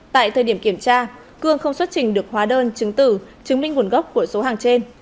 tại thời điểm kiểm tra cương không xuất trình được hóa đơn chứng tử chứng minh nguồn gốc của số hàng trên